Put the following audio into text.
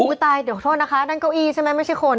ตายเดี๋ยวโทษนะคะนั่นเก้าอี้ใช่ไหมไม่ใช่คน